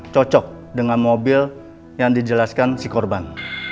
cocok dengan mobil yang dijelaskan si korban